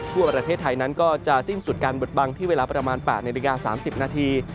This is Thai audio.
ทั่วประเทศไทยนั้นก็จะสิ้นสุดการบดบังที่เวลาประมาณ๘นาฬิกา๓๐นาที